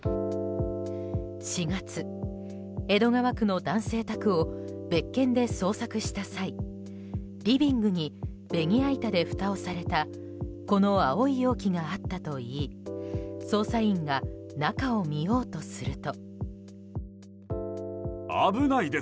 ４月、江戸川区の男性宅を別件で捜索した際リビングにベニヤ板でふたをされたこの青い容器があったといい捜査員が中を見ようとすると。